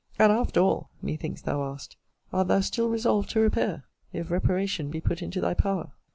And after all, (methinks thou asked,) art thou still resolved to repair, if reparation be put into thy power?